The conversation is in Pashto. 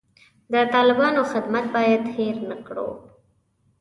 د طالبانو خدمت باید هیر نه کړو.